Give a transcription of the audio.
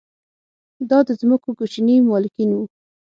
دا د ځمکو کوچني مالکین وو